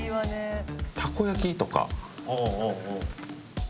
たこ焼きとかを。